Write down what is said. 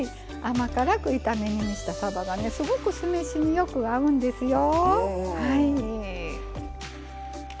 甘辛く炒め煮にしたさばがねすごく酢飯によく合うんですよ。